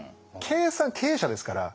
計算経営者ですから。